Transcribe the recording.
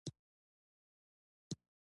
سلیمان غر د بشري فرهنګ یوه برخه ده.